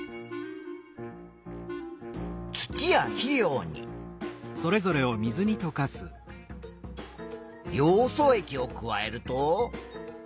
土や肥料にヨウ素液を加えると。